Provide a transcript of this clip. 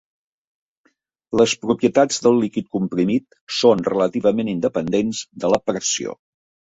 Les propietats del líquid comprimit són relativament independents de la pressió.